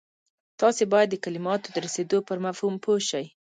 تاسې بايد د کلماتو د رسېدو پر مفهوم پوه شئ.